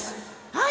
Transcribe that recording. はい。